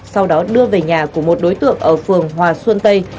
sau đó đưa về nhà của một đối tượng ở phường hòa xuân tây